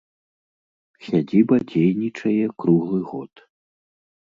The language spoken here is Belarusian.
Сядзіба дзейнічае круглы год.